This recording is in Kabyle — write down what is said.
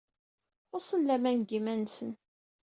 Xuṣṣen laman deg yiman-nsen.